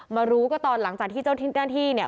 มารู้ก็ตอนหลังจากที่เจ้าได้ที่นั่งที่เนี่ย